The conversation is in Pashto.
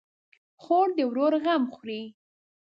خور د ورور غم خوري.